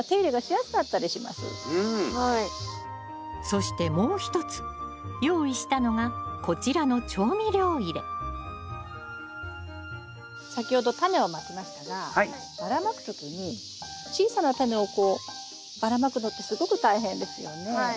そしてもう一つ用意したのがこちらの調味料入れ先ほどタネをまきましたがばらまく時に小さなタネをこうばらまくのってすごく大変ですよね。